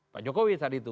pak jokowi saat itu